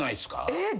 えっ？